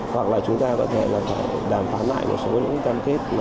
hoặc là chúng ta có thể là đàm phán lại một số những cam kết